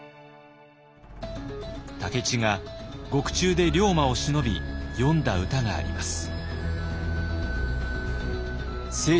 武市が獄中で龍馬をしのび詠んだ歌があります。